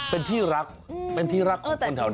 เป็นที่รักเป็นที่รักของคนแถวนั้น